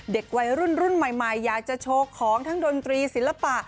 เด็กวัยรุ่นรุ่นใหม่อยากจะโชว์ของทั้งดนตรีศิลปะ